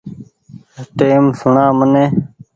ٽئيم سوڻآ مني ۔